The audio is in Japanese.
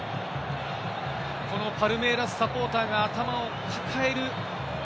このパルメイラスサポーターが頭を抱える。